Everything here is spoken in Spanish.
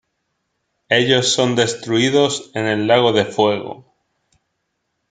Ellos son destruidos en el lago de fuego.